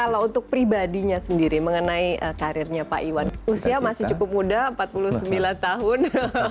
kalau untuk pribadinya sendiri mengenai karirnya pak iwan usia masih cukup muda empat puluh sembilan tahun